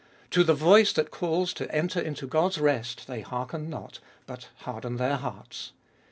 To the voice that calls to enter into God's rest they hearken not, but harden their hearts.